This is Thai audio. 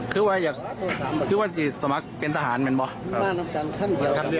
คุณผู้ชมฟังเสียงผู้ต้องหากันหน่อยนะคะ